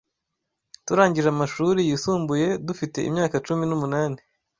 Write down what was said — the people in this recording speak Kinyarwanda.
Turangije amashuri yisumbuye dufite imyaka cumi n'umunani.